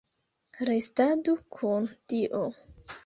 Restadu kun Dio!